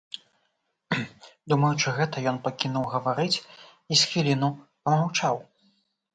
Думаючы гэта, ён пакінуў гаварыць і з хвіліну памаўчаў.